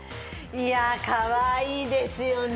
かわいいですよね。